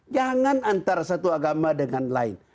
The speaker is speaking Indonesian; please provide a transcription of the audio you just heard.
jangan antara satu agama dengan lain